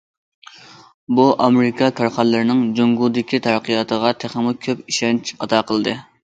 بۇ ئامېرىكا كارخانىلىرىنىڭ جۇڭگودىكى تەرەققىياتىغا تېخىمۇ كۆپ ئىشەنچ ئاتا قىلدى.